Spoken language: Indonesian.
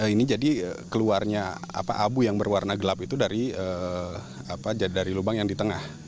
ini jadi keluarnya abu yang berwarna gelap itu dari lubang yang di tengah